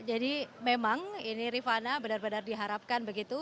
jadi memang ini rifana benar benar diharapkan begitu